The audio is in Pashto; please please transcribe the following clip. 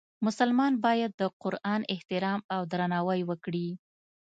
مسلمان باید د قرآن احترام او درناوی وکړي.